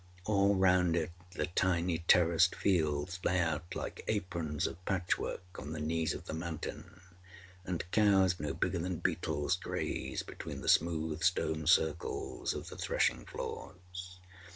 All round it the tiny terraced fields lay out like aprons of patchwork on the knees of the mountain, and cows no bigger than beetles grazed between the smooth stone circles of the threshing floors.